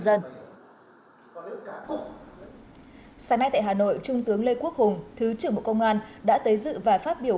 dân sáng nay tại hà nội trung tướng lê quốc hùng thứ trưởng bộ công an đã tới dự và phát biểu